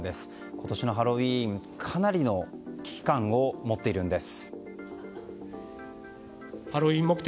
今年のハロウィーンかなりの危機感を持っているんです。